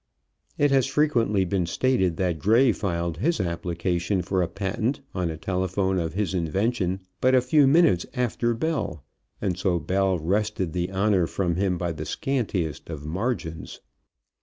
It has frequently been stated that Gray filed his application for a patent on a telephone of his invention but a few minutes after Bell, and so Bell wrested the honor from him by the scantiest of margins.